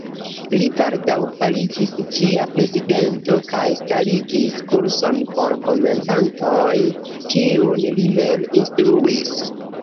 Li baldaŭ fariĝis ĝia prezidento kaj starigis kurson por komencantoj, kiun li mem instruis.